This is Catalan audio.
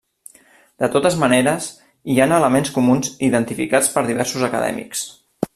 De totes maneres, hi han elements comuns identificats per diversos acadèmics.